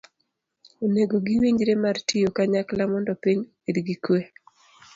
Onego giwinjre mar tiyo kanyakla mondo piny obed gi kwe.